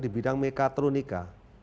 di bidang mekatronika